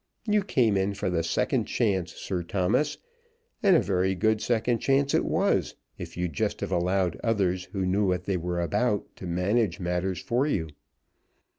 You came in for the second chance, Sir Thomas; and a very good second chance it was if you'd just have allowed others who knew what they were about to manage matters for you.